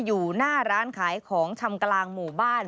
อยู่หน้าร้านขายของชำกลางหมู่บ้าน